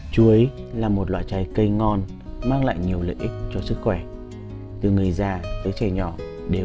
chú ý là một loại trái cây ngon mang lại nhiều lợi ích cho sức khỏe từ người già tới trẻ nhỏ đều